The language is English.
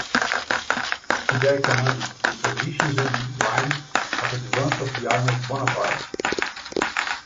He there commanded the positions and lines of advance of the army of Bonaparte.